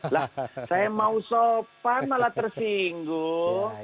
lah saya mau sopan malah tersinggung